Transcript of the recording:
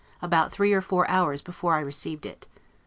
about three or four hours before I received it.